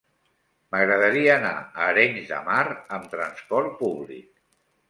M'agradaria anar a Arenys de Mar amb trasport públic.